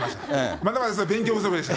まだまだ勉強不足でした。